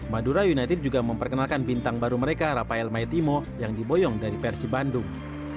madura united juga memperkenalkan bintang baru mereka rafael maitimo yang diboyong dari persibandung